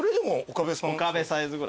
岡部サイズぐらい。